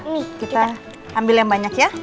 nih kita ambil yang banyak ya